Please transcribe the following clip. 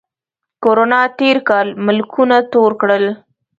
کرونا تېر کال ملکونه تور کړل